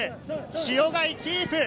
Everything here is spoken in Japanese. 塩貝、キープ。